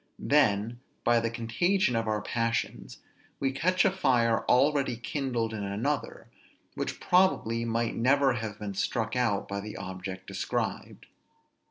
Then, by the contagion of our passions, we catch a fire already kindled in another, which probably might never have been struck out by the object described.